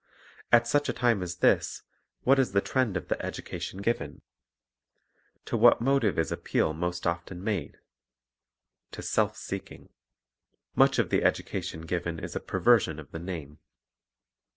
At such a time as this, what is the trend of the education given? To what motive is appeal most often made? — To self seeking. Much of the education given is a perversion of the name.